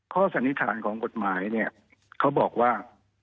สันนิษฐานของกฎหมายเนี่ยเขาบอกว่า